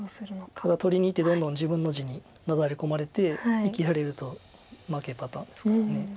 ただ取りにいってどんどん自分の地になだれ込まれて生きられると負けパターンですから。